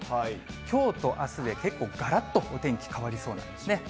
きょうとあすで結構、がらっとお天気、変わりそうなんですね。